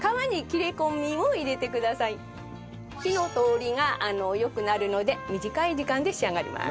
火の通りが良くなるので短い時間で仕上がります。